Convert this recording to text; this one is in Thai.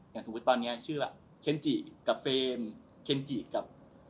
อย่างสมมุติตอนนี้ชื่อเค็นจิกับเฟรมเค็นจิกับ